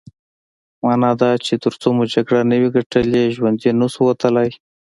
مانا دا چې ترڅو مو جګړه نه وي ګټلې ژوندي نه شو وتلای.